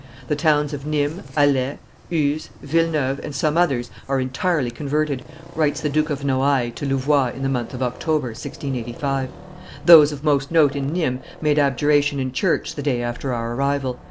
"The towns of Nimes, Alais, Uzes, Villeneuve, and some others, are entirely converted," writes the Duke of Noailles to Louvois in the month of October, 1685; "those of most note in Nimes made abjuration in church the day after our arrival.